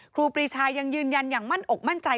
ครูปรีชายังยืนยันอย่างมั่นอกมั่นใจ